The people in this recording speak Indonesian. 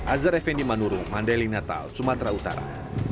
azar effendi manuru mandeli natal sumatera utara